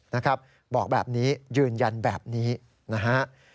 นะครับบอกแบบนี้ยืนยันแบบนี้นะฮะ